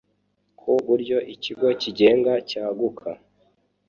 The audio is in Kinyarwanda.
ku buryo ikigo kigenda cyaguka